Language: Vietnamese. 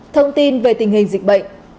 thông tin về tình hình dịch bệnh